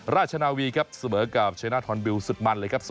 ราชนาวีครับเสมอกับชนะทอนบิลสุดมันเลยครับ